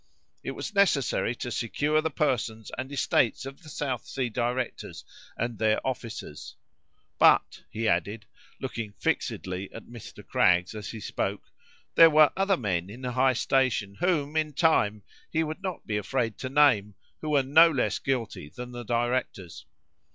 It was necessary to secure the persons and estates of the South Sea directors and their officers; "but," he added, looking fixedly at Mr. Craggs as he spoke, "there were other men in high station, whom, in time, he would not be afraid to name, who were no less guilty than the directors."